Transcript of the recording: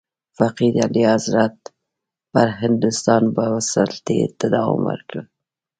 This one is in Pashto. فقید اعلیحضرت پر هندوستان سلطې ته دوام ورکړ.